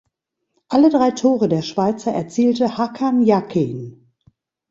Alle drei Tore der Schweizer erzielte Hakan Yakin.